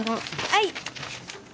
はい！